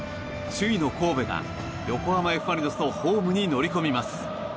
首位の神戸が横浜Ｆ・マリノスのホームに乗り込みます。